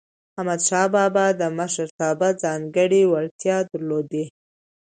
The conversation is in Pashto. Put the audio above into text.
احمدشاه بابا د مشرتابه ځانګړی وړتیا درلودله.